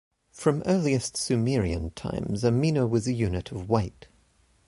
From earliest Sumerian times, a mina was a unit of weight.